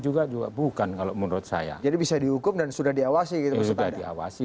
juga bukan kalau menurut saya jadi bisa dihukum dan sudah diawasi gitu sudah diawasi